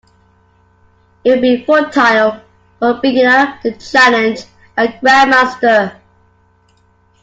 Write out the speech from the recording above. It would be futile for a beginner to challenge a grandmaster.